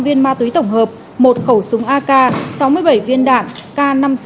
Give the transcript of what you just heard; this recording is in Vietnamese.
sáu năm trăm linh viên ma túy tổng hợp một khẩu súng ak sáu mươi bảy viên đạn k năm mươi sáu